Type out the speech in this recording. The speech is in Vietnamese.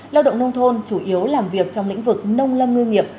lao động nông thôn chủ yếu làm việc trong lĩnh vực nông lâm ngư nghiệp